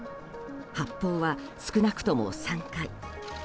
発砲は少なくとも３回。